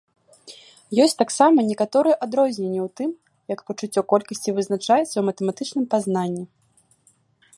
Ёсць таксама некаторыя адрозненні ў тым, як пачуццё колькасці вызначаецца ў матэматычным пазнанні.